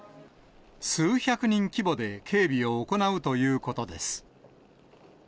数百人規模で警備を行うということです。